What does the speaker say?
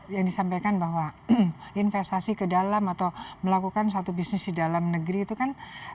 yang disampaikan bahwa investasi ke dalam atau melakukan suatu bisnis di dalam negeri itu kan